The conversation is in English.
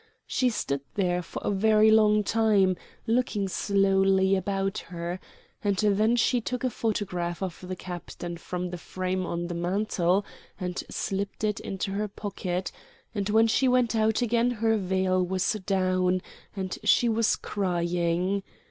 She stood there for a very long time looking slowly about her, and then she took a photograph of the Captain from the frame on the mantel and slipped it into her pocket, and when she went out again her veil was down, and she was crying.